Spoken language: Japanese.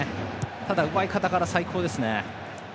ただ奪い方から、最高ですね。